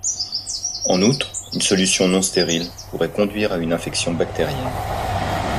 En outre, une solution non stérile pourrait conduire à une infection bactérienne.